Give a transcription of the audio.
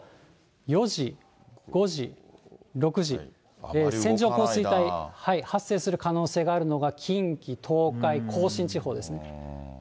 ４時、５時、６時、線状降水帯、発生する可能性があるのが近畿、東海、甲信地方ですね。